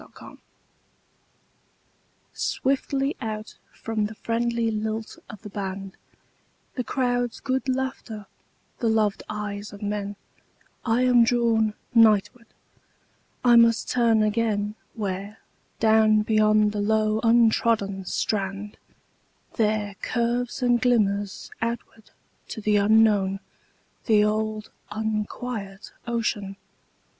Seaside SWIFTLY out from the friendly lilt of the band, The crowd's good laughter, the loved eyes of men,I am drawn nightward; I must turn againWhere, down beyond the low untrodden strand, There curves and glimmers outward to the unknownThe old unquiet ocean.